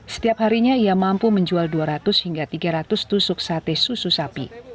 setiap harinya ia mampu menjual dua ratus hingga tiga ratus tusuk sate susu sapi